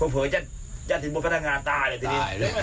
เผื่อจะถึงบุตรพันธงาตายังทีนี้